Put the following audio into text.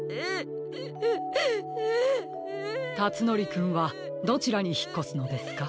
たつのりくんはどちらにひっこすのですか？